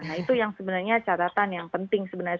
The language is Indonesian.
nah itu yang sebenarnya catatan yang penting sebenarnya